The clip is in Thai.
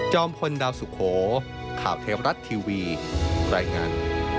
พลดาวสุโขข่าวเทวรัฐทีวีรายงาน